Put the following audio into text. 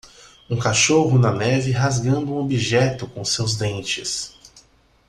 Um cachorro na neve rasgando um objeto com seus dentes